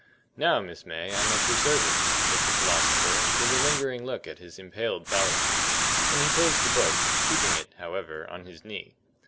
"Now, Miss May, I'm at your service," said the philosopher, with a lingering look at his impaled fallacy; and he closed the book, keeping it, however, on his knee.